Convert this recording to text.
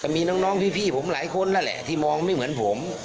มีน้องพี่ผมหลายคนนั่นแหละที่มองไม่เหมือนผม